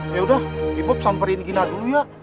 yaudah ipob samperin gina dulu ya